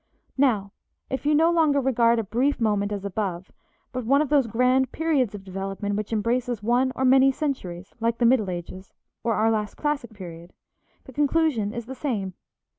Now, if you no longer regard a brief moment, as above, but one of those grand periods of development which embraces one or many centuries like the Middle Ages, or our last classic period, the conclusion is the same.